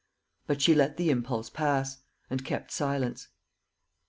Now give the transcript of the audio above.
But she let the impulse pass, and kept silence.